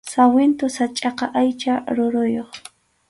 Sawintu sachʼaqa aycha ruruyuq